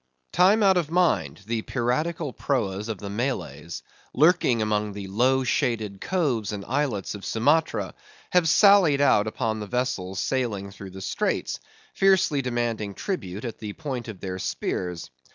Time out of mind the piratical proas of the Malays, lurking among the low shaded coves and islets of Sumatra, have sallied out upon the vessels sailing through the straits, fiercely demanding tribute at the point of their spears.